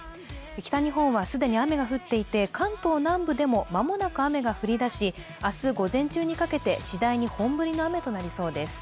北日本はすでに雨が降っていて、関東南部でも間もなく雨が降りだし、明日午前中にかけて次第に本降りの雨となりそうです。